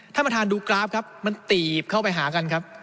ท่านประธานดูกราฟครับมันตีบเข้าไปหากันครับ